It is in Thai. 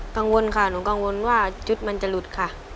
กังวลค่ะหนูกังวลว่าชุดมันจะหลุดค่ะ